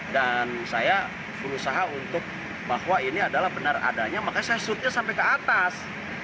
dan saya berusaha untuk bahwa ini adalah benar adanya makanya saya shootnya sampai ke atas